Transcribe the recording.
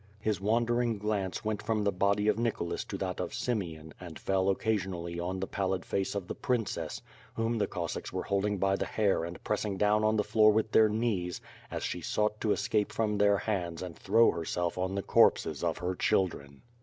His wandering glance went from the body of Nicholas to that of Simeon and fell occasionally on the pallid face of the princess, whom the Cossacks were holding by the hair and pressing down on the floor with their knees, as she sought to escape from their hands and throw herself on the corpses of her children.